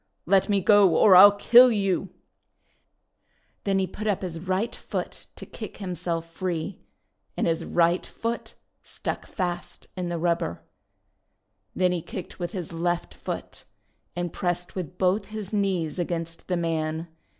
:' Let me go or I '11 kill you !' Then he put up his right foot to kick him self free. And his right foot stuck fast in the rubber. Then he kicked with his left foot, and pressed with both his knees against the man.